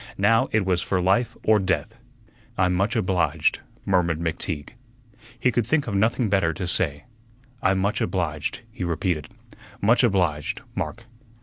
Now it was for life or death. "I'm much obliged," murmured McTeague. He could think of nothing better to say. "I'm much obliged," he repeated; "much obliged, Mark."